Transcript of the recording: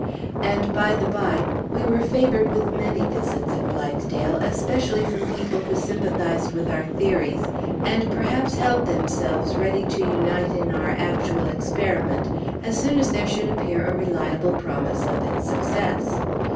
And, by the bye, we were favored with many visits at Blithedale, especially from people who sympathized with our theories, and perhaps held themselves ready to unite in our actual experiment as soon as there should appear a reliable promise of its success.